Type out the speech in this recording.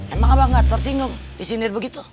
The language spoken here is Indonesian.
emang apa nggak tersinggung disindir begitu